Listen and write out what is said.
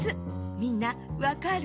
みんなわかる？